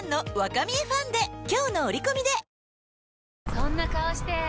そんな顔して！